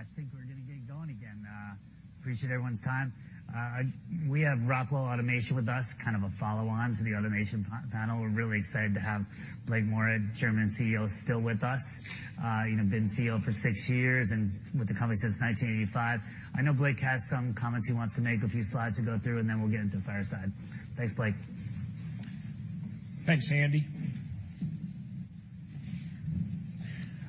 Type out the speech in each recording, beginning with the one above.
All right. I think we're gonna get going again. Appreciate everyone's time. We have Rockwell Automation with us, kind of a follow-on to the automation panel. We're really excited to have Blake Moret, Chairman and CEO, still with us. You know, been CEO for six years and with the company since 1985. I know Blake has some comments he wants to make, a few slides to go through, and then we'll get into the fireside. Thanks, Blake. Thanks, Andy.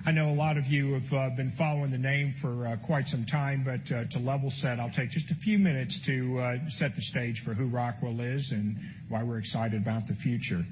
I know a lot of you have been following the name for quite some time, but to level set, I'll take just a few minutes to set the stage for who Rockwell is and why we're excited about the future.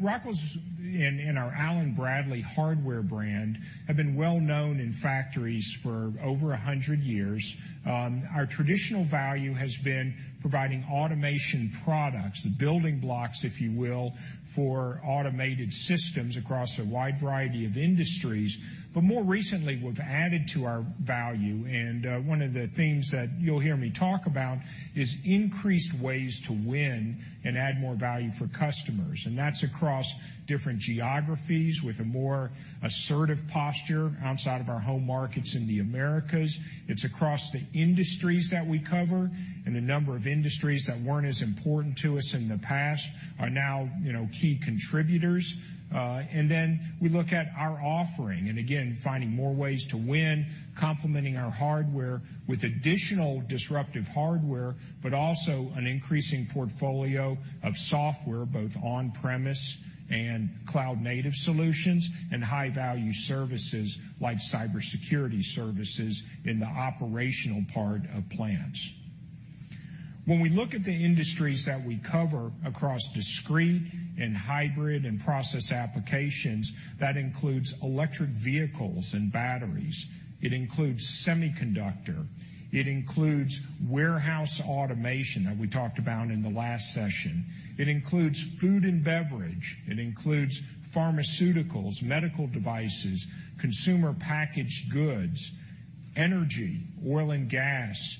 Rockwell's, in our Allen-Bradley hardware brand, have been well known in factories for over 100 years. Our traditional value has been providing automation products, the building blocks, if you will, for automated systems across a wide variety of industries. More recently, we've added to our value, and one of the themes that you'll hear me talk about is increased ways to win and add more value for customers. That's across different geographies with a more assertive posture outside of our home markets in the Americas. It's across the industries that we cover, and the number of industries that weren't as important to us in the past are now, you know, key contributors. Then we look at our offering, and again, finding more ways to win, complementing our hardware with additional disruptive hardware, but also an increasing portfolio of software, both on-premise and cloud-native solutions, and high-value services like cybersecurity services in the operational part of plants. When we look at the industries that we cover across discrete and hybrid and process applications, that includes electric vehicles and batteries. It includes semiconductor. It includes warehouse automation that we talked about in the last session. It includes food and beverage. It includes pharmaceuticals, medical devices, consumer packaged goods, energy, oil and gas,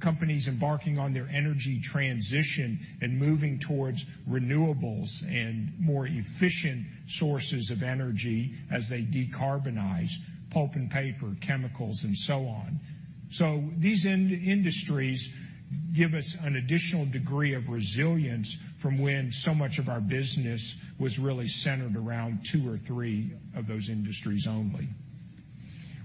companies embarking on their energy transition and moving towards renewables and more efficient sources of energy as they decarbonize, pulp and paper, chemicals and so on. These industries give us an additional degree of resilience from when so much of our business was really centered around two or three of those industries only.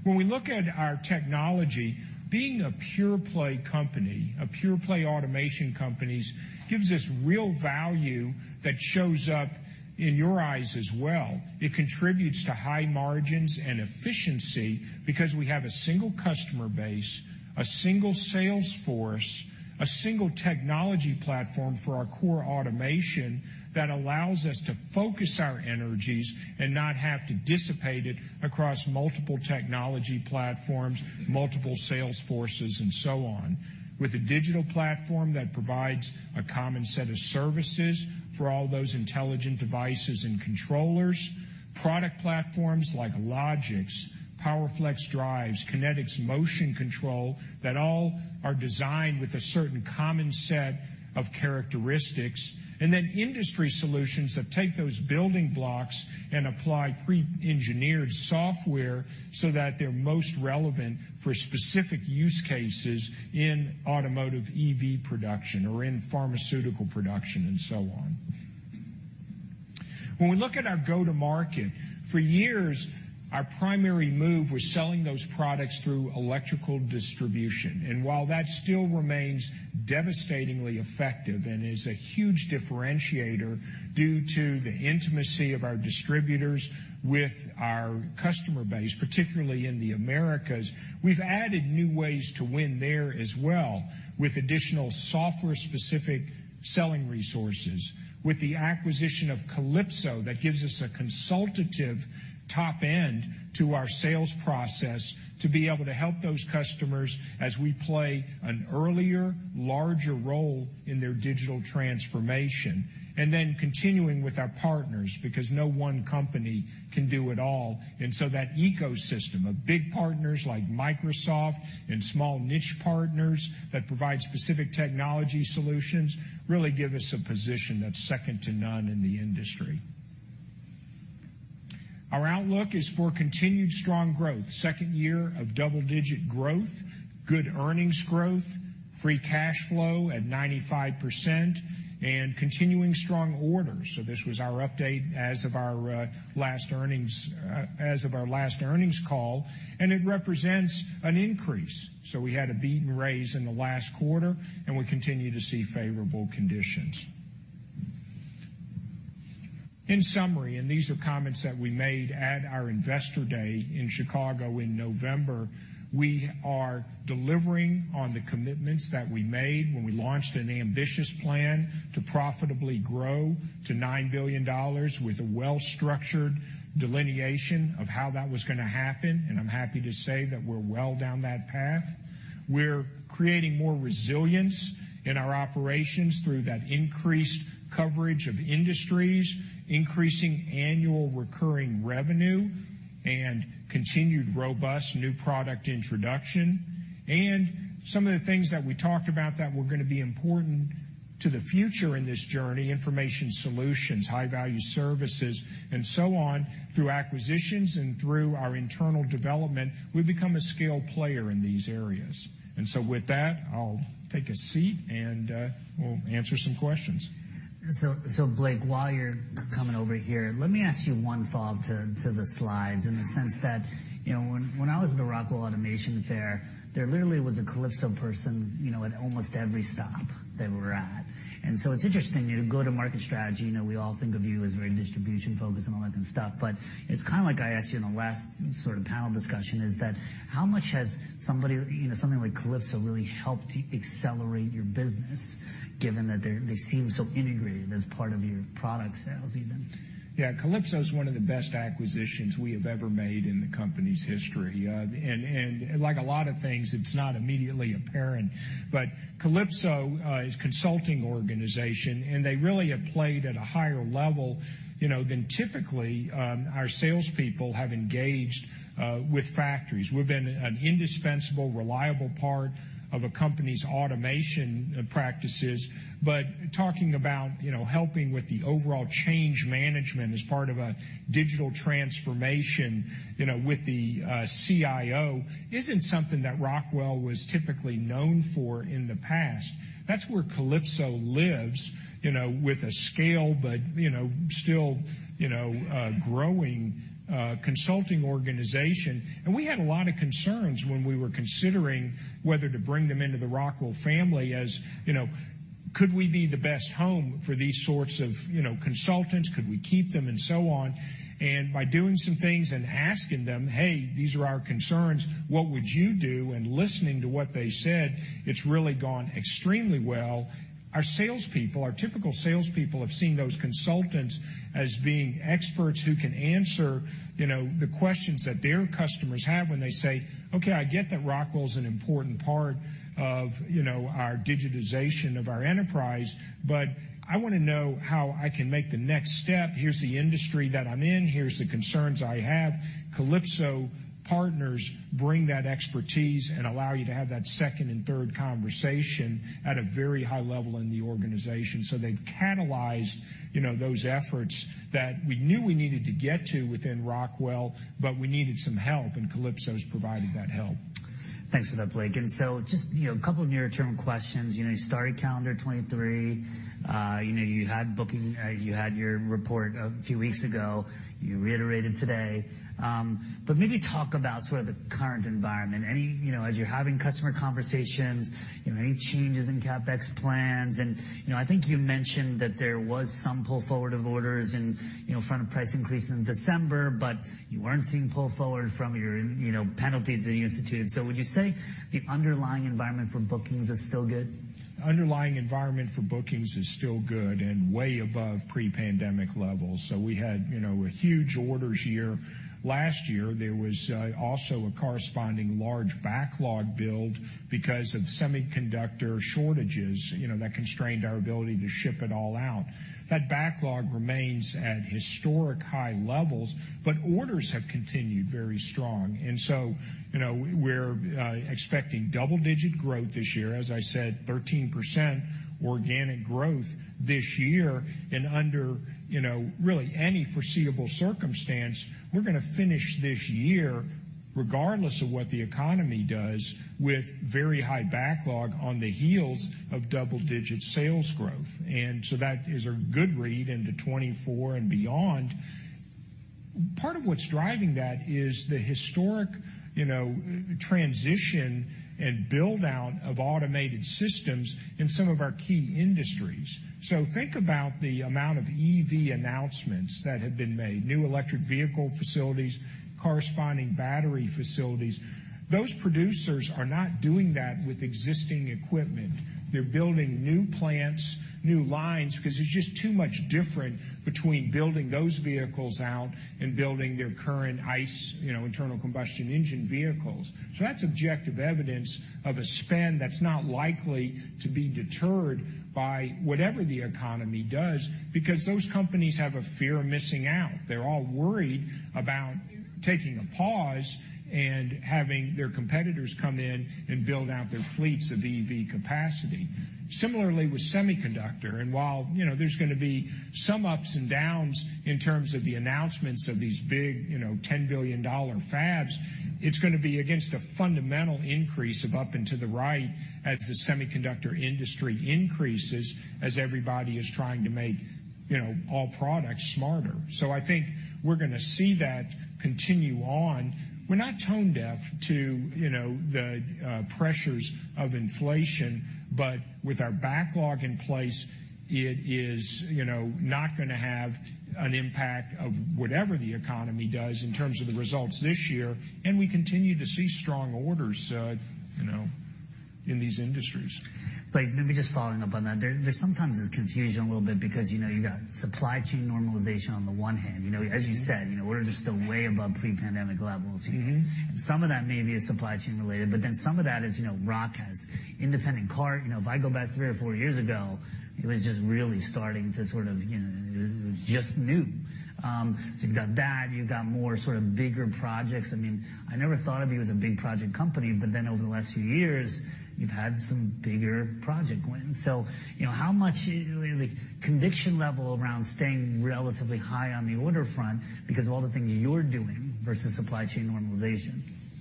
When we look at our technology, being a pure play company, a pure play automation companies, gives us real value that shows up in your eyes as well. It contributes to high margins and efficiency because we have a single customer base, a single sales force, a single technology platform for our core automation that allows us to focus our energies and not have to dissipate it across multiple technology platforms, multiple sales forces and so on. With a digital platform that provides a common set of services for all those intelligent devices and controllers, product platforms like Logix, PowerFlex drives, Kinetix motion control that all are designed with a certain common set of characteristics, and then industry solutions that take those building blocks and apply pre-engineered software so that they're most relevant for specific use cases in automotive EV production or in pharmaceutical production and so on. When we look at our go-to-market, for years, our primary move was selling those products through electrical distribution. While that still remains devastatingly effective and is a huge differentiator due to the intimacy of our distributors with our customer base, particularly in the Americas, we've added new ways to win there as well with additional software-specific selling resources, with the acquisition of Kalypso that gives us a consultative top end to our sales process to be able to help those customers as we play an earlier, larger role in their digital transformation. Then continuing with our partners because no one company can do it all. So that ecosystem of big partners like Microsoft and small niche partners that provide specific technology solutions really give us a position that's second to none in the industry. Our outlook is for continued strong growth, second year of double-digit growth, good earnings growth, free cash flow at 95% and continuing strong orders. This was our update as of our last earnings, as of our last earnings call, and it represents an increase. We had a beat and raise in the last quarter, and we continue to see favorable conditions. In summary, and these are comments that we made at our investor day in Chicago in November, we are delivering on the commitments that we made when we launched an ambitious plan to profitably grow to $9 billion with a well-structured delineation of how that was gonna happen. I'm happy to say that we're well down that path. We're creating more resilience in our operations through that increased coverage of industries, increasing annual recurring revenue. Continued robust new product introduction and some of the things that we talked about that were gonna be important to the future in this journey, information solutions, high-value services, and so on, through acquisitions and through our internal development, we've become a scale player in these areas. So with that, I'll take a seat, and we'll answer some questions. Blake, while you're coming over here, let me ask you one thought to the slides in the sense that, you know, when I was at the Rockwell Automation Fair, there literally was a Kalypso person, you know, at almost every stop that we were at. It's interesting, you know, go-to-market strategy, you know, we all think of you as very distribution-focused and all that good stuff, but it's kind of like I asked you in the last sort of panel discussion is that how much has somebody or, you know, something like Kalypso really helped accelerate your business given that they're, they seem so integrated as part of your product sales even? Yeah. Kalypso is one of the best acquisitions we have ever made in the company's history. Like a lot of things, it's not immediately apparent, but Kalypso is a consulting organization, and they really have played at a higher level, you know, than typically, our salespeople have engaged with factories. We've been an indispensable, reliable part of a company's automation practices, but talking about, you know, helping with the overall change management as part of a digital transformation you know with the CIO isn't something that Rockwell was typically known for in the past. That's where Kalypso lives, you know, with a scale but, you know, still, you know, growing, consulting organization. We had a lot of concerns when we were considering whether to bring them into the Rockwell family as, you know, could we be the best home for these sorts of, you know, consultants? Could we keep them and so on? By doing some things and asking them, "Hey, these are our concerns. What would you do?" Listening to what they said, it's really gone extremely well. Our salespeople, our typical salespeople, have seen those consultants as being experts who can answer, you know, the questions that their customers have when they say, "Okay, I get that Rockwell's an important part of, you know, our digitization of our enterprise, but I wanna know how I can make the next step. Here's the industry that I'm in. Here's the concerns I have. Kalypso partners bring that expertise and allow you to have that second and third conversation at a very high level in the organization. They've catalyzed, you know, those efforts that we knew we needed to get to within Rockwell, but we needed some help, and Kalypso's provided that help. Thanks for that, Blake just, you know, a couple of near-term questions. You know, you started calendar 2023. You know, you had booking, you had your report a few weeks ago. You reiterated today. Maybe talk about sort of the current environment. Any, you know, as you're having customer conversations, you know, any changes in CapEx plans? You know, I think you mentioned that there was some pull forward of orders in, you know, front of price increases in December, but you weren't seeing pull forward from your, you know, penalties that you instituted. Would you say the underlying environment for bookings is still good? Underlying environment for bookings is still good and way above pre-pandemic levels. We had, you know, a huge orders year last year. There was also a corresponding large backlog build because of semiconductor shortages, you know, that constrained our ability to ship it all out. That backlog remains at historic high levels, but orders have continued very strong. We're expecting double-digit growth this year, as I said, 13% organic growth this year. Under, you know, really any foreseeable circumstance, we're gonna finish this year regardless of what the economy does with very high backlog on the heels of double-digit sales growth. That is a good read into 2024 and beyond. Part of what's driving that is the historic, you know, transition and build-out of automated systems in some of our key industries. Think about the amount of EV announcements that have been made, new electric vehicle facilities, corresponding battery facilities. Those producers are not doing that with existing equipment. They're building new plants, new lines because there's just too much different between building those vehicles out and building their current ICE, you know, Internal Combustion Engine vehicles. That's objective evidence of a spend that's not likely to be deterred by whatever the economy does because those companies have a fear of missing out. They're all worried about taking a pause and having their competitors come in and build out their fleets of EV capacity. Similarly with semiconductor, and while, you know, there's gonna be some ups and downs in terms of the announcements of these big, you know, $10 billion fabs, it's gonna be against a fundamental increase of up and to the right as the semiconductor industry increases as everybody is trying to make, you know, all products smarter. I think we're gonna see that continue on. We're not tone deaf to, you know, the pressures of inflation, but with our backlog in place, it is, you know, not gonna have an impact of whatever the economy does in terms of the results this year, and we continue to see strong orders in these industries. maybe just following up on that, there sometimes is confusion a little bit because, you know, you got supply chain normalization on the one hand. You know, as you said.... you know, orders are still way above pre-pandemic levels. Mm-hmm. Some of that may be supply chain related, some of that is, you know, Rockwell has independent cart. You know, if I go back three or four years ago, it was just really starting to sort of, you know, it was just new. You've got that. You've got more sort of bigger projects. I mean, I never thought of you as a big project company, over the last few years you've had some bigger project wins. You know, how much is the conviction level around staying relatively high on the order front because of all the things you're doing versus supply chain normalization?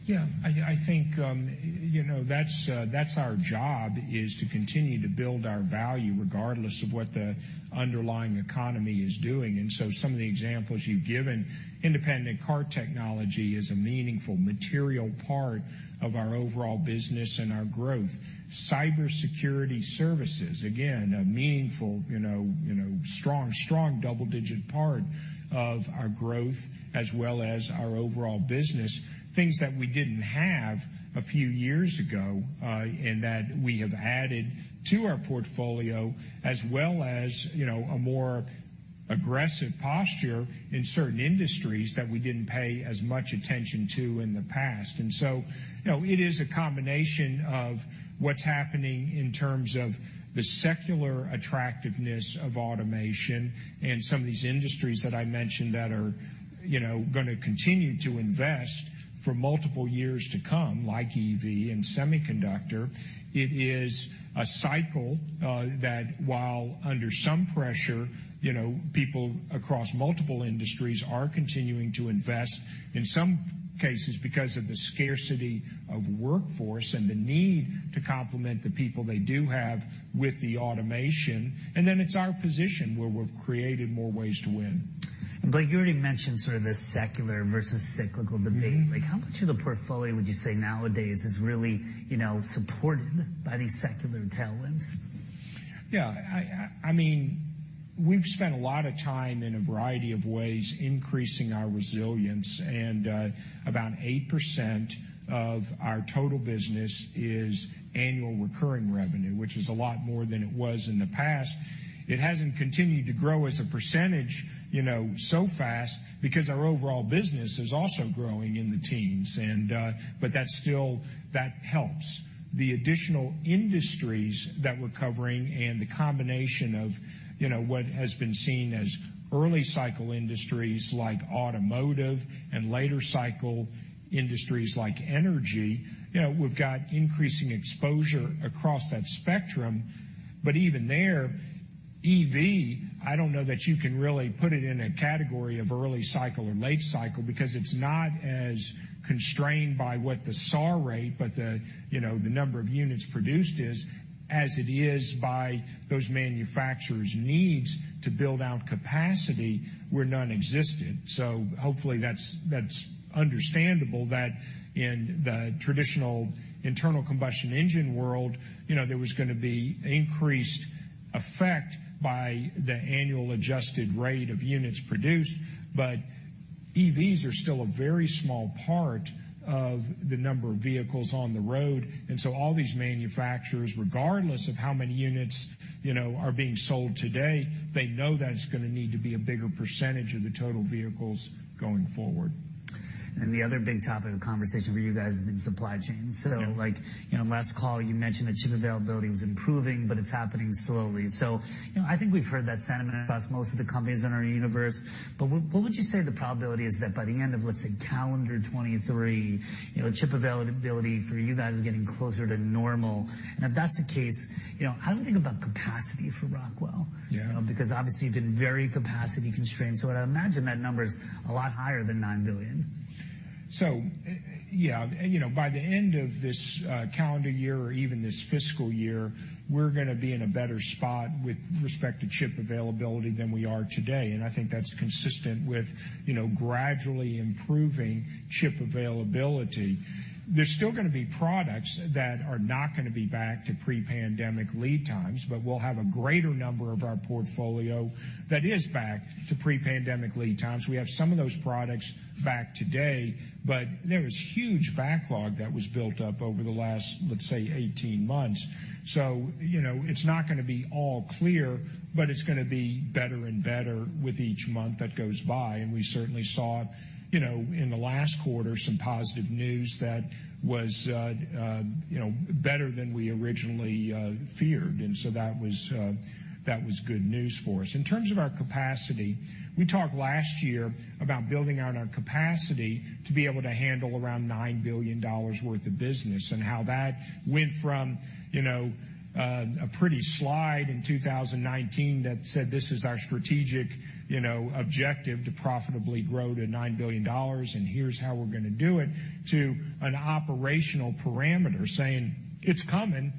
Yeah. I think, you know, that's our job is to continue to build our value regardless of what the underlying economy is doing. Some of the examples you've given, Independent Cart Technology is a meaningful, material part of our overall business and our growth. Cybersecurity services, again, a meaningful, you know, strong double-digit part of our growth as well as our overall business, things that we didn't have a few years ago, and that we have added to our portfolio as well as, you know, a more aggressive posture in certain industries that we didn't pay as much attention to in the past. You know, it is a combination of what's happening in terms of the secular attractiveness of automation and some of these industries that I mentioned that are, you know, gonna continue to invest for multiple years to come, like EV and semiconductor. It is a cycle that while under some pressure, you know, people across multiple industries are continuing to invest, in some cases because of the scarcity of workforce and the need to complement the people they do have with the automation. It's our position where we've created more ways to win. You already mentioned sort of the secular versus cyclical debate. Mm-hmm. Like, how much of the portfolio would you say nowadays is really, you know, supported by these secular tailwinds? Yeah. I mean, we've spent a lot of time in a variety of ways increasing our resilience, and about 8% of our total business is annual recurring revenue, which is a lot more than it was in the past. It hasn't continued to grow as a percentage, you know, so fast because our overall business is also growing in the teens, and but that's still, that helps. The additional industries that we're covering and the combination of, you know, what has been seen as early cycle industries like automotive and later cycle industries like energy, you know, we've got increasing exposure across that spectrum. Even there, EV, I don't know that you can really put it in a category of early cycle or late cycle because it's not as constrained by what the SAR rate, but the, you know, the number of units produced is, as it is by those manufacturers' needs to build out capacity were nonexistent. Hopefully that's understandable that in the traditional internal combustion engine world, you know, there was gonna be increased effect by the annual adjusted rate of units produced. EVs are still a very small part of the number of vehicles on the road, and so all these manufacturers, regardless of how many units, you know, are being sold today, they know that it's gonna need to be a bigger percentage of the total vehicles going forward. The other big topic of conversation for you guys has been supply chain. Yeah. Like, you know, last call you mentioned that chip availability was improving, but it's happening slowly. You know, I think we've heard that sentiment across most of the companies in our universe, but what would you say the probability is that by the end of, let's say, calendar 2023, you know, chip availability for you guys is getting closer to normal? If that's the case, you know, how do you think about capacity for Rockwell? Yeah. You know, obviously you've been very capacity constrained, so I'd imagine that number's a lot higher than $9 billion. Yeah. You know, by the end of this calendar year or even this fiscal year, we're gonna be in a better spot with respect to chip availability than we are today. I think that's consistent with, you know, gradually improving chip availability. There's still gonna be products that are not gonna be back to pre-pandemic lead times. We'll have a greater number of our portfolio that is back to pre-pandemic lead times. We have some of those products back today. There was huge backlog that was built up over the last, let's say, 18 months. You know, it's not gonna be all clear, but it's gonna be better and better with each month that goes by. We certainly saw, you know, in the last quarter some positive news that was, you know, better than we originally feared, and so that was good news for us. In terms of our capacity, we talked last year about building out our capacity to be able to handle around $9 billion worth of business and how that went from, you know, a pretty slide in 2019 that said, "This is our strategic, you know, objective to profitably grow to $9 billion, and here's how we're gonna do it," to an operational parameter saying, "It's coming."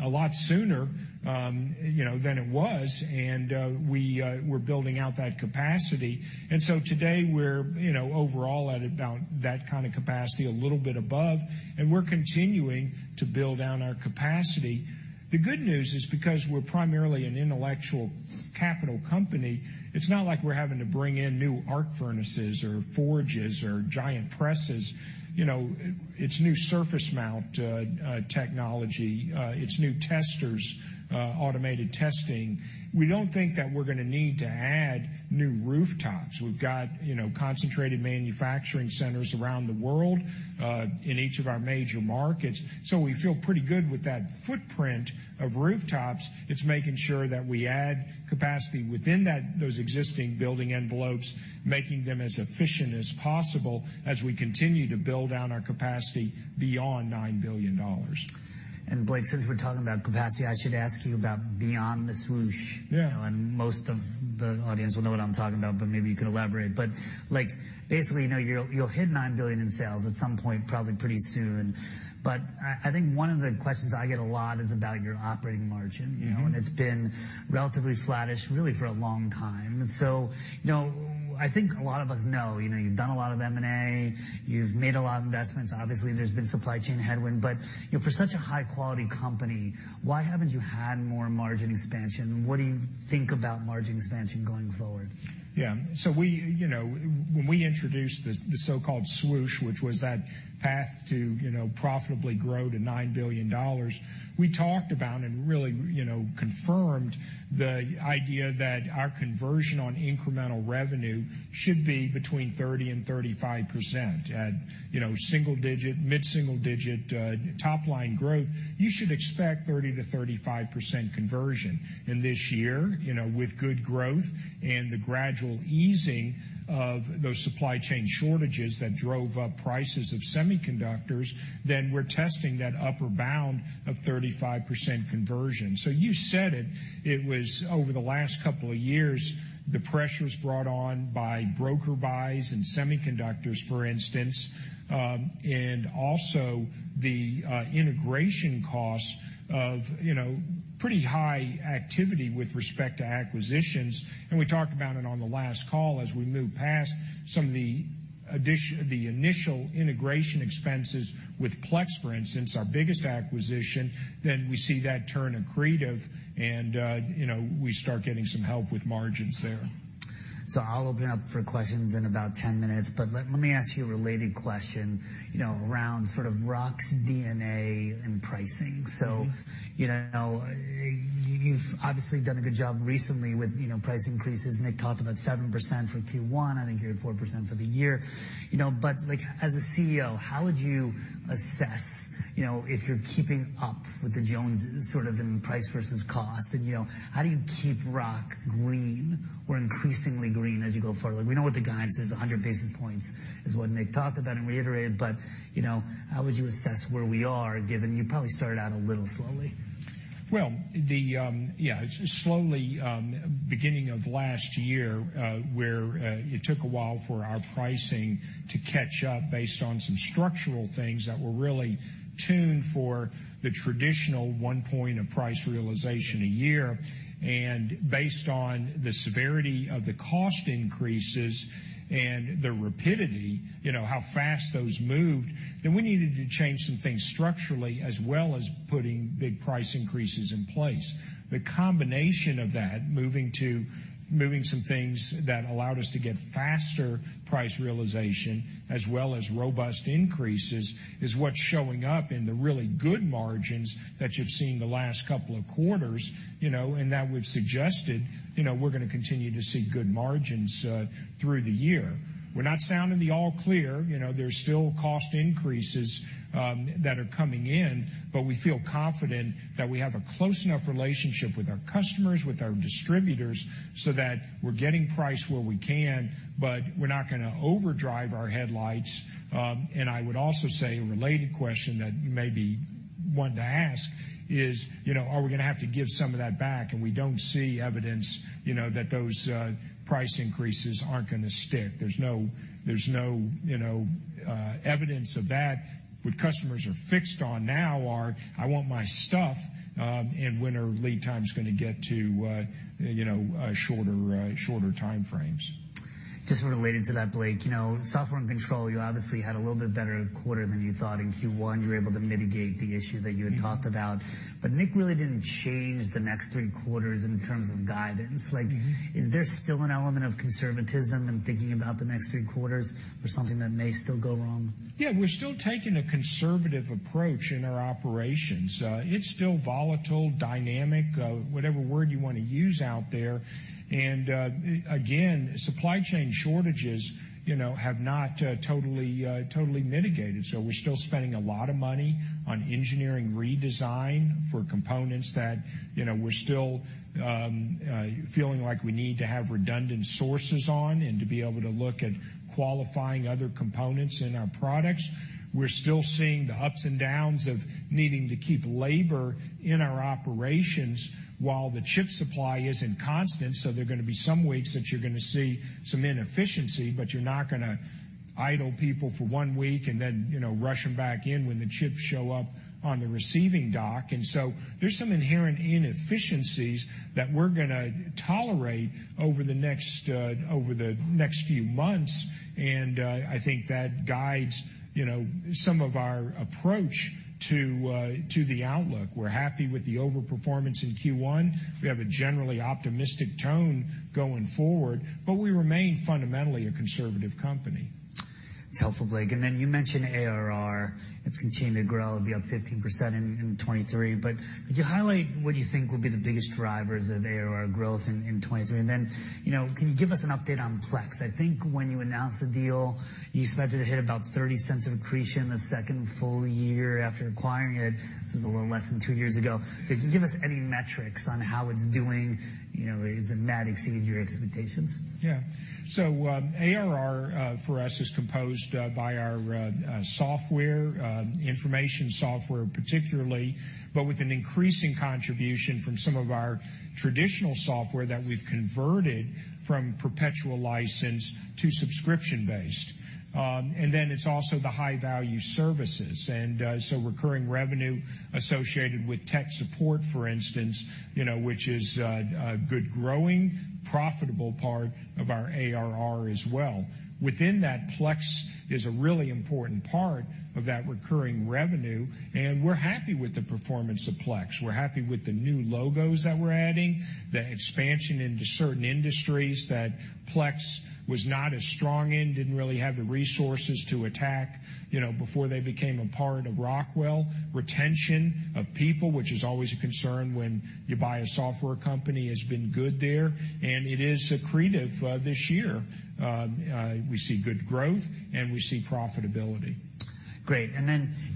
A lot sooner, you know, than it was, and we're building out that capacity. Today we're, you know, overall at about that kind of capacity, a little bit above, and we're continuing to build down our capacity. The good news is because we're primarily an intellectual capital company, it's not like we're having to bring in new arc furnaces or forges or giant presses. You know, it's new surface mount technology. It's new testers, automated testing. We don't think that we're gonna need to add new rooftops. We've got, you know, concentrated manufacturing centers around the world, in each of our major markets. We feel pretty good with that footprint of rooftops. It's making sure that we add capacity within that, those existing building envelopes, making them as efficient as possible as we continue to build down our capacity beyond $9 billion. Blake, since we're talking about capacity, I should ask you about beyond the swoosh. Yeah. You know, most of the audience will know what I'm talking about, but maybe you could elaborate. Like, basically, you know, you'll hit $9 billion in sales at some point probably pretty soon. I think one of the questions I get a lot is about your operating margin, you know. Mm-hmm. It's been relatively flattish really for a long time. You know, I think a lot of us know, you know, you've done a lot of M&A, you've made a lot of investments. Obviously, there's been supply chain headwind. You know, for such a high-quality company, why haven't you had more margin expansion? What do you think about margin expansion going forward? Yeah. We, you know, when we introduced this, the so-called swoosh, which was that path to, you know, profitably grow to $9 billion, we talked about and really, you know, confirmed the idea that our conversion on incremental revenue should be between 30% and 35%. At, you know, single digit, mid-single digit, top line growth, you should expect 30%-35% conversion. This year, you know, with good growth and the gradual easing of those supply chain shortages that drove up prices of semiconductors, then we're testing that upper bound of 35% conversion. You said it was over the last couple of years, the pressures brought on by broker buys and semiconductors, for instance, and also the integration costs of, you know, pretty high activity with respect to acquisitions. We talked about it on the last call as we move past some of the initial integration expenses with Plex, for instance, our biggest acquisition, then we see that turn accretive and, you know, we start getting some help with margins there. I'll open up for questions in about 10 minutes, but let me ask you a related question, you know, around sort of Rockwell's DNA and pricing. Mm-hmm. You know, you've obviously done a good job recently with, you know, price increases. Nick talked about 7% for Q1. I think you had 4% for the year. As a CEO, how would you assess, you know, if you're keeping up with the Joneses sort of in price versus cost? You know, how do you keep Rockwell green or increasingly green as you go forward? We know what the guidance is, 100 basis points is what Nick talked about and reiterated. You know, how would you assess where we are, given you probably started out a little slowly? Well, the yeah, slowly, beginning of last year, where it took a while for our pricing to catch up based on some structural things that were really tuned for the traditional one point of price realization a year. Based on the severity of the cost increases and the rapidity, you know, how fast those moved, then we needed to change some things structurally as well as putting big price increases in place. The combination of that, moving some things that allowed us to get faster price realization as well as robust increases, is what's showing up in the really good margins that you've seen the last couple of quarters, you know, and that we've suggested, you know, we're gonna continue to see good margins through the year. We're not sounding the all clear. You know, there's still cost increases that are coming in, we feel confident that we have a close enough relationship with our customers, with our distributors, so that we're getting price where we can, but we're not gonna overdrive our headlights. I would also say a related question that you maybe want to ask is, you know, are we gonna have to give some of that back? We don't see evidence, you know, that those price increases aren't gonna stick. There's no, you know, evidence of that. What customers are fixed on now are, "I want my stuff, and when are lead times gonna get to, you know, shorter time frames? Just related to that, Blake, you know, software and control, you obviously had a little bit better quarter than you thought in Q1 You were able to mitigate the issue that you had talked about. Mm-hmm. Nick really didn't change the next three quarters in terms of guidance. Mm-hmm. Like, is there still an element of conservatism in thinking about the next three quarters or something that may still go wrong? Yeah. We're still taking a conservative approach in our operations. It's still volatile, dynamic, whatever word you wanna use out there. Again, supply chain shortages, you know, have not totally mitigated. We're still spending a lot of money on engineering redesign for components that, you know, we're still feeling like we need to have redundant sources on and to be able to look at qualifying other components in our products. We're still seeing the ups and downs of needing to keep labor in our operations while the chip supply isn't constant. There are gonna be some weeks that you're gonna see some inefficiency, but you're not gonna idle people for one week and then, you know, rush them back in when the chips show up on the receiving dock. There's some inherent inefficiencies that we're gonna tolerate over the next, over the next few months. I think that guides, you know, some of our approach to the outlook. We're happy with the over-performance in Q1. We have a generally optimistic tone going forward, but we remain fundamentally a conservative company. It's helpful, Blake. You mentioned ARR. It's continued to grow, up 15% in 2023. Could you highlight what you think will be the biggest drivers of ARR growth in 2023? You know, can you give us an update on Plex? I think when you announced the deal, you expected to hit about $0.30 of accretion the second full year after acquiring it. This was a little less than two years ago. If you can give us any metrics on how it's doing, you know, is it mad exceeding your expectations? ARR for us is composed by our software, information software particularly, but with an increasing contribution from some of our traditional software that we've converted from perpetual license to subscription-based. Then it's also the high-value services, and so recurring revenue associated with tech support, for instance, you know, which is a good growing, profitable part of our ARR as well. Within that, Plex is a really important part of that recurring revenue, and we're happy with the performance of Plex. We're happy with the new logos that we're adding, the expansion into certain industries that Plex was not as strong in, didn't really have the resources to attack, you know, before they became a part of Rockwell. Retention of people, which is always a concern when you buy a software company, has been good there, and it is accretive, this year. We see good growth and we see profitability. Great.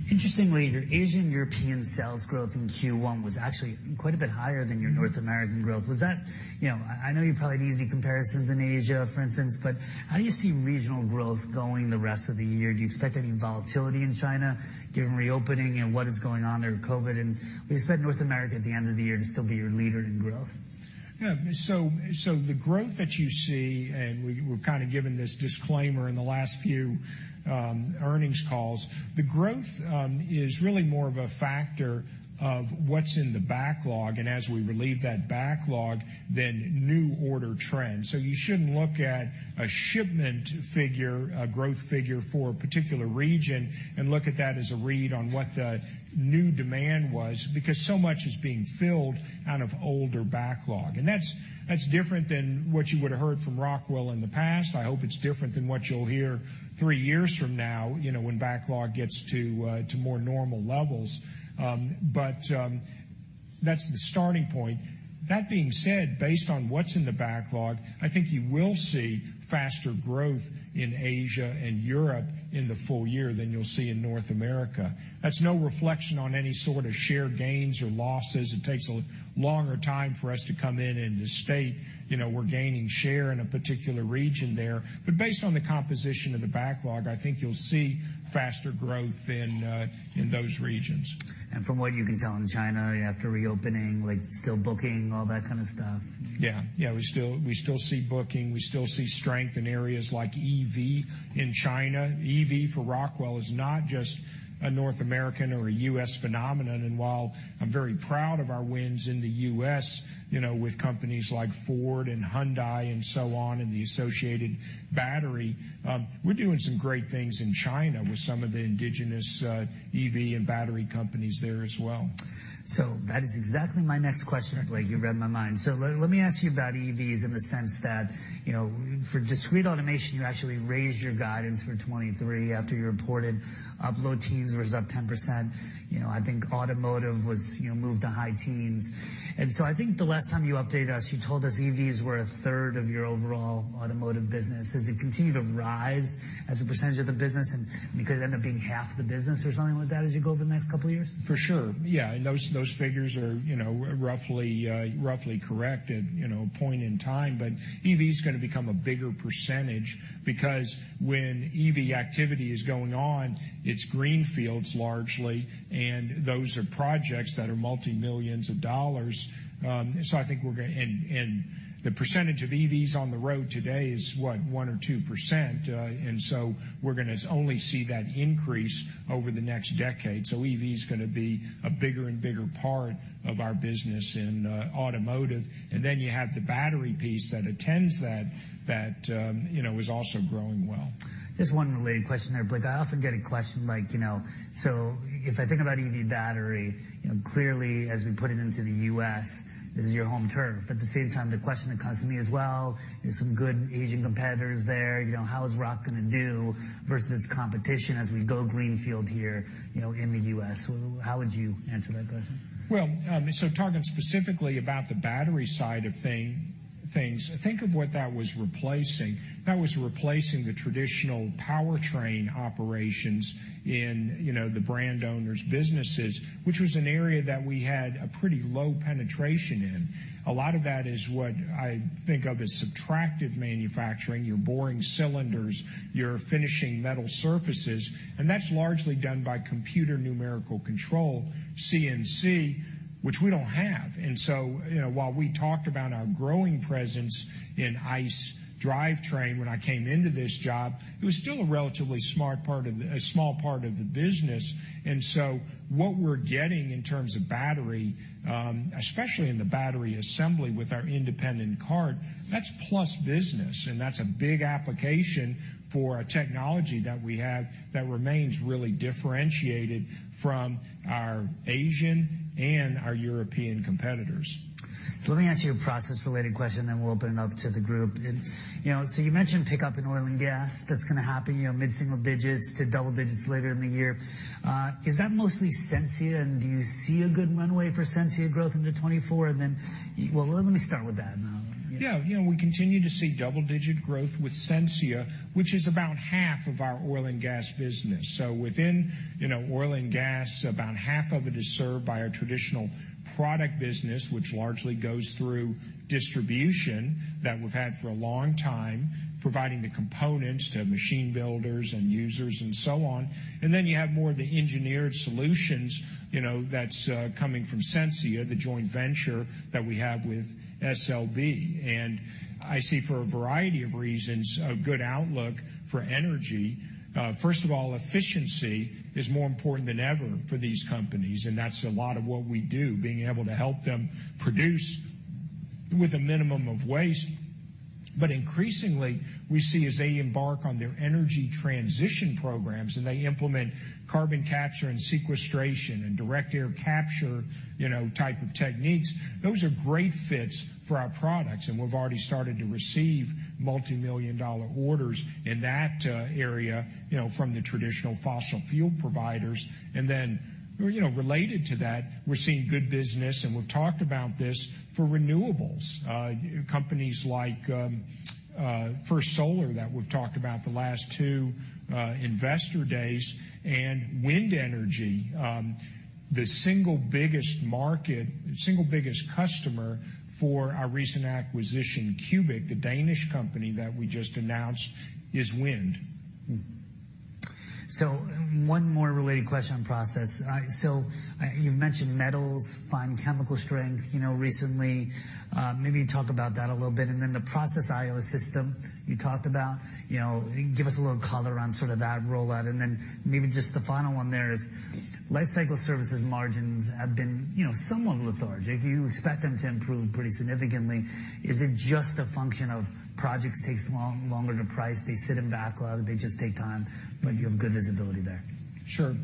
Interestingly, your Asian-European sales growth in Q1 was actually quite a bit higher than your North American growth. You know, I know you probably have easy comparisons in Asia, for instance, but how do you see regional growth going the rest of the year? Do you expect any volatility in China given reopening and what is going on there with COVID? Do you expect North America at the end of the year to still be your leader in growth? Yeah. The growth that you see, and we've kind of given this disclaimer in the last few earnings calls, the growth is really more of a factor of what's in the backlog, and as we relieve that backlog, then new order trends. You shouldn't look at a shipment figure, a growth figure for a particular region and look at that as a read on what the new demand was, because so much is being filled out of older backlog. That's different than what you would've heard from Rockwell in the past. I hope it's different than what you'll hear three years from now, you know, when backlog gets to more normal levels. That's the starting point. That being said, based on what's in the backlog, I think you will see faster growth in Asia and Europe in the full year than you'll see in North America. That's no reflection on any sort of shared gains or losses. It takes a longer time for us to come in and to state, you know, we're gaining share in a particular region there. Based on the composition of the backlog, I think you'll see faster growth in those regions. From what you can tell in China after reopening, like still booking, all that kind of stuff? Yeah, we still see booking. We still see strength in areas like EV in China. EV for Rockwell is not just a North American or a U.S. phenomenon. While I'm very proud of our wins in the U.S., you know, with companies like Ford and Hyundai and so on and the associated battery, we're doing some great things in China with some of the indigenous EV and battery companies there as well. That is exactly my next question, Blake. You read my mind. Let me ask you about EVs in the sense that, you know, for discrete automation, you actually raised your guidance for 2023 after you reported up low teen was up to 10%. You know, I think automotive was, you know, moved to high teens. I think the last time you updated us, you told us EVs were a third of your overall automotive business. Does it continue to rise as a percentage of the business and could it end up being half the business or something like that as you go over the next couple of years? For sure. Yeah, those figures are, you know, roughly correct at, you know, a point in time. EV's gonna become a bigger percentage because when EV activity is going on, it's greenfields largely, and those are projects that are multi-millions of dollars. I think we're And the percentage of EVs on the road today is, what? 1% or 2%. We're gonna only see that increase over the next decade. EV's gonna be a bigger and bigger part of our business in automotive. You have the battery piece that attends that, you know, is also growing well. Just one related question there, Blake. I often get a question like, you know, so if I think about EV battery. You know, clearly as we put it into the U.S, this is your home turf. At the same time, the question that comes to me as well, there's some good Asian competitors there, you know, how is Rock gonna do versus competition as we go greenfield here, you know, in the U.S? How would you answer that question? Talking specifically about the battery side of things, think of what that was replacing. That was replacing the traditional powertrain operations in, you know, the brand owners' businesses, which was an area that we had a pretty low penetration in. A lot of that is what I think of as subtractive manufacturing, you're boring cylinders, you're finishing metal surfaces, and that's largely done by Computer Numerical Control, CNC, which we don't have. You know, while we talked about our growing presence in ICE drivetrain when I came into this job, it was still a relatively small part of the business. What we're getting in terms of battery, especially in the battery assembly with our Independent Cart, that's plus business, and that's a big application for a technology that we have that remains really differentiated from our Asian and our European competitors. Let me ask you a process-related question, then we'll open it up to the group. You know, you mentioned pickup in oil and gas that's gonna happen, you know, mid-single digits to double digits later in the year. Is that mostly Sensia, and do you see a good runway for Sensia growth into 2024? Well, let me start with that. Yeah. You know, we continue to see double-digit growth with Sensia, which is about half of our oil and gas business. Within, you know, oil and gas, about half of it is served by our traditional product business, which largely goes through distribution that we've had for a long time, providing the components to machine builders and users and so on. Then you have more of the engineered solutions, you know, that's coming from Sensia, the joint venture that we have with SLB. I see for a variety of reasons, a good outlook for energy. First of all, efficiency is more important than ever for these companies, and that's a lot of what we do, being able to help them produce with a minimum of waste. Increasingly, we see as they embark on their energy transition programs, and they implement carbon capture and sequestration and direct air capture, you know, type of techniques, those are great fits for our products, and we've already started to receive multimillion-dollar orders in that area, you know, from the traditional fossil fuel providers. Then, you know, related to that, we're seeing good business, and we've talked about this for renewables. Companies like First Solar that we've talked about the last two investor days, and wind energy. The single biggest market, single biggest customer for our recent acquisition, Cubic, the Danish company that we just announced, is wind. One more related question on process. You've mentioned metals, fine chemical strength, you know, recently. Maybe talk about that a little bit, and then the Process IO system you talked about. You know, give us a little color on sort of that rollout, and then maybe just the final one there is lifecycle services margins have been, you know, somewhat lethargic. You expect them to improve pretty significantly. Is it just a function of projects takes long, longer to price, they sit in backlog, they just take time, but you have good visibility there? Sure.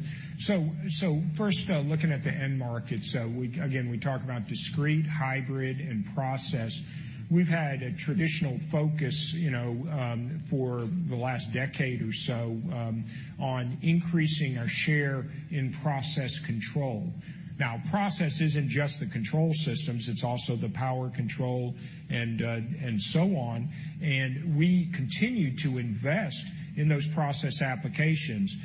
First, looking at the end markets, again, we talk about discrete, hybrid, and process. We've had a traditional focus, you know, for the last decade or so, on increasing our share in process control. Process isn't just the control systems, it's also the power control and so on, and we continue to invest in those process applications.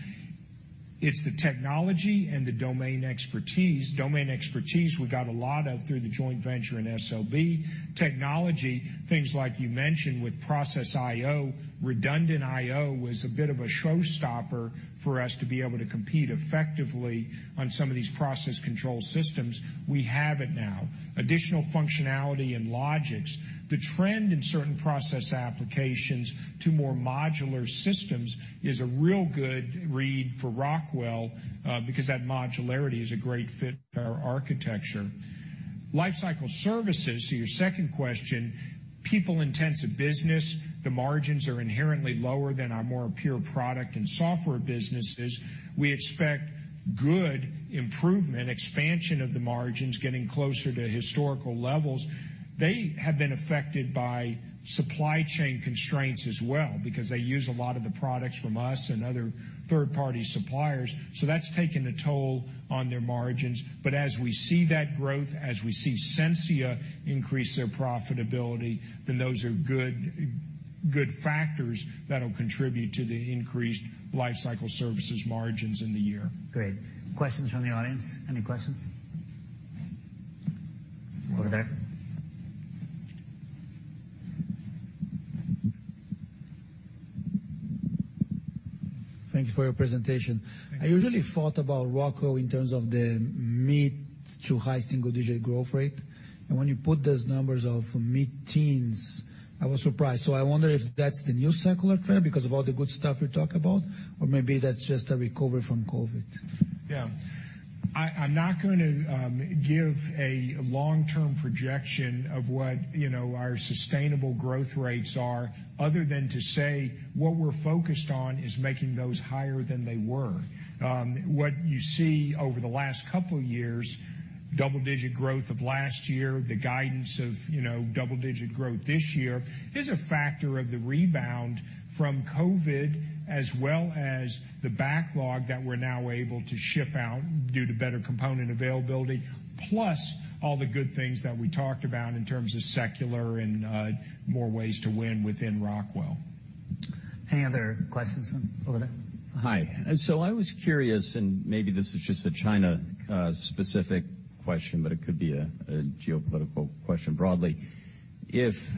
It's the technology and the domain expertise. Domain expertise, we got a lot of through the joint venture in SLB. Technology, things like you mentioned with Process I/O. Redundant I/O was a bit of a showstopper for us to be able to compete effectively on some of these process control systems. We have it now. Additional functionality and Logix. The trend in certain process applications to more modular systems is a real good read for Rockwell, because that modularity is a great fit for our architecture. Lifecycle services, to your second question, people-intensive business, the margins are inherently lower than our more pure product and software businesses. We expect good improvement, expansion of the margins, getting closer to historical levels. They have been affected by supply chain constraints as well, because they use a lot of the products from us and other third-party suppliers, so that's taken a toll on their margins. As we see that growth, as we see Sensia increase their profitability, then those are good factors that'll contribute to the increased lifecycle services margins in the year. Great. Questions from the audience. Any questions? Over there. Thank you for your presentation. Thank you. I usually thought about Rockwell in terms of the mid to high single-digit growth rate, and when you put those numbers of mid-teens, I was surprised. I wonder if that's the new secular trend because of all the good stuff you talk about, or maybe that's just a recovery from COVID. Yeah. I'm not gonna give a long-term projection of what, you know, our sustainable growth rates are other than to say what we're focused on is making those higher than they were. What you see over the last couple years. Double-digit growth of last year, the guidance of, you know, double-digit growth this year is a factor of the rebound from COVID, as well as the backlog that we're now able to ship out due to better component availability, plus all the good things that we talked about in terms of secular and more ways to win within Rockwell. Any other questions? Over there. Hi. I was curious, and maybe this is just a China specific question, but it could be a geopolitical question broadly. If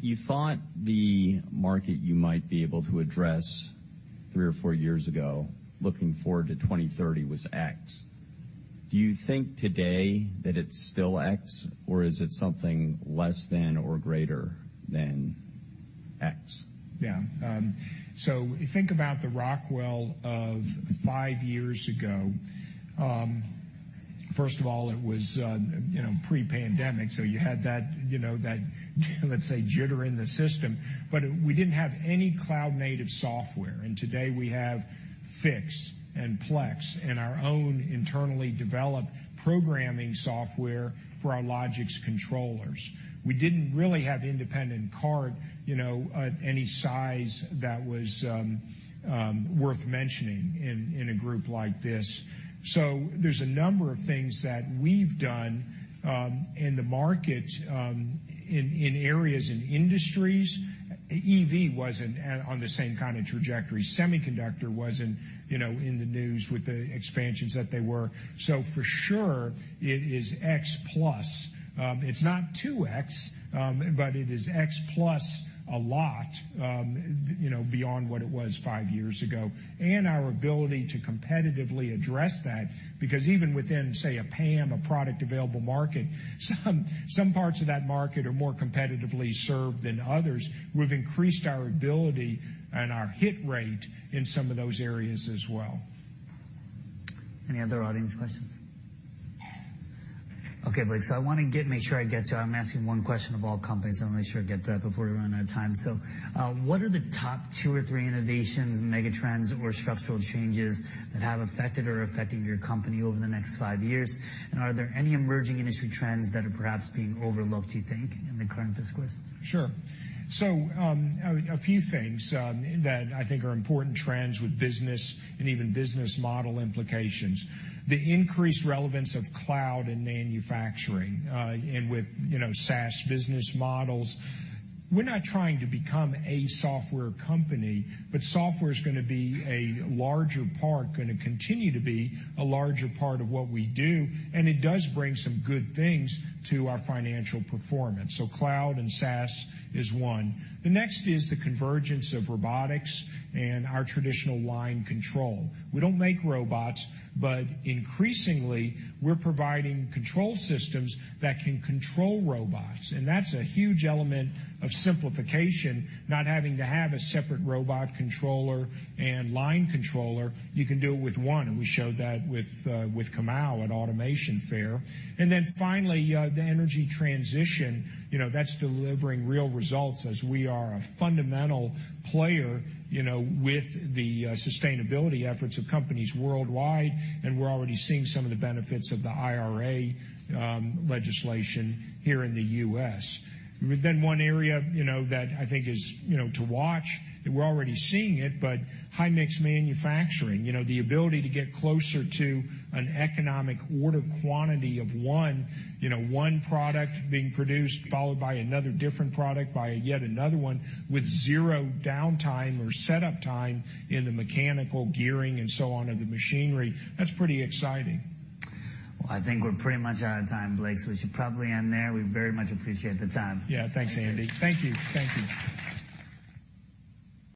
you thought the market you might be able to address three or four years ago looking forward to 2030 was X, do you think today that it's still X, or is it something less than or greater than X? Yeah. You think about the Rockwell of five years ago, first of all, it was, you know, pre-pandemic, so you had that, you know, that, let's say, jitter in the system. We didn't have any cloud-native software, and today we have Fiix and Plex and our own internally developed programming software for our Logix controllers. We didn't really have independent card, you know, at any size that was worth mentioning in a group like this. There's a number of things that we've done in the market, in areas, in industries. EV wasn't on the same kind of trajectory. Semiconductor wasn't, you know, in the news with the expansions that they were. For sure it is xP. It's not two X, but it is xP a lot, you know, beyond what it was five years ago. Our ability to competitively address that, because even within, say, a PAM, a Product Available Market, some parts of that market are more competitively served than others. We've increased our ability and our hit rate in some of those areas as well. Any other audience questions? Okay, Blake, make sure I get to. I'm asking 1 question of all companies, so I wanna make sure I get to that before we run out of time. What are the top two or three innovations, mega trends or structural changes that have affected or are affecting your company over the next five years? Are there any emerging industry trends that are perhaps being overlooked, do you think, in the current discourse? Sure. A few things that I think are important trends with business and even business model implications. The increased relevance of cloud in manufacturing, and with, you know, SaaS business models. We're not trying to become a software company, but software's gonna be a larger part, gonna continue to be a larger part of what we do, and it does bring some good things to our financial performance. Cloud and SaaS is one. The next is the convergence of robotics and our traditional line control. We don't make robots, but increasingly we're providing control systems that can control robots, and that's a huge element of simplification, not having to have a separate robot controller and line controller. You can do it with one, and we showed that with Comau at Automation Fair. Finally, the energy transition. You know, that's delivering real results as we are a fundamental player, you know, with the sustainability efforts of companies worldwide, and we're already seeing some of the benefits of the IRA legislation here in the U.S. One area, you know, that I think is, you know, to watch, we're already seeing it, but high-mix manufacturing, you know, the ability to get closer to an economic order quantity of one, you know, one product being produced, followed by another different product, by yet another one, with zero downtime or setup time in the mechanical gearing and so on of the machinery. That's pretty exciting. Well, I think we're pretty much out of time, Blake, so we should probably end there. We very much appreciate the time. Yeah. Thanks, Andy. Thank you. Thank you.